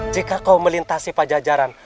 jika kau melintasi pajajaran